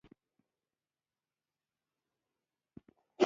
په زرګونو خلک راووتل او نښتې یې پیل کړې.